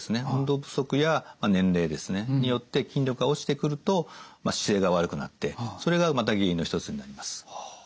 運動不足や年齢ですねによって筋力が落ちてくると姿勢が悪くなってそれがまた原因の一つになります。